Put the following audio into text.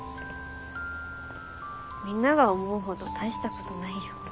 みんなが思うほど大したことないよ。